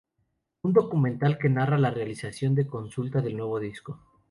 Un documental que narra la realización de consulta del nuevo disco.